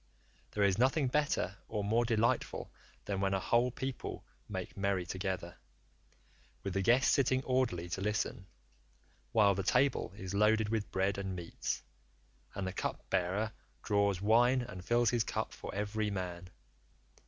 There is nothing better or more delightful than when a whole people make merry together, with the guests sitting orderly to listen, while the table is loaded with bread and meats, and the cup bearer draws wine and fills his cup for every man.